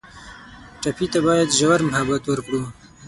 ټپي ته باید ژور محبت ورکړو.